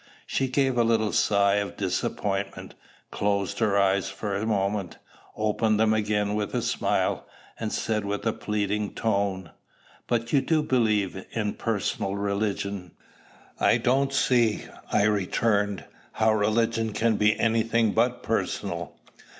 She gave a little sigh of disappointment, closed her eyes for a moment, opened them again with a smile, and said with a pleading tone, "But you do believe in personal religion?" "I don't see," I returned, "how religion can be any thing but personal."